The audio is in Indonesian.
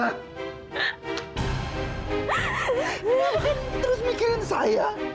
kenapa terus mikirin saya